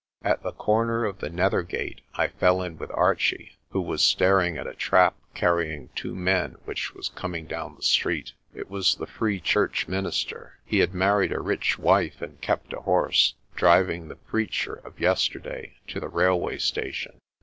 At the corner of the Nethergate I fell in with Archie, who was staring at a trap carrying two men which was coming down the street. It was the Free Church minister he had married a rich wife and kept a horse driving the preacher of yesterday to the railway station.